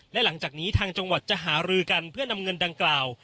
และหลังจากนี้ทางจังหวัดจะหารือกันเพื่อนำเงินดังกล่าว